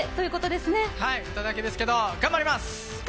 はい、歌だけですけど頑張ります！